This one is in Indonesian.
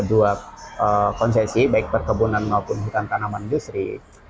dua konsesi baik perkebunan maupun hutan tanaman industri